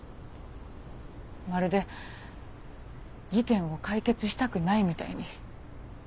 まるで事件を解決したくないみたいに。